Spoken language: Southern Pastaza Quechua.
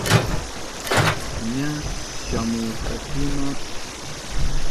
Ña shamuhurkakuna.